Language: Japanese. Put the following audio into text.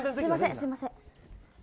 すみません。